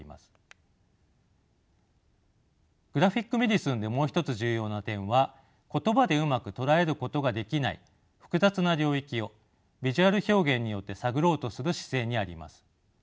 グラフィック・メディスンでもう一つ重要な点は言葉でうまく捉えることができない複雑な領域をビジュアル表現によって探ろうとする姿勢にあります。